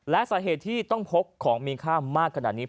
และสาเหตุที่ต้องพกของมีค่ามากขนาดนี้